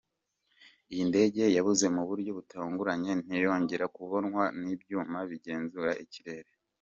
Iyi ndege yabuze mu buryo butunguranye ntiyongera kubonwa n’ibyuma bigenzura ikirere.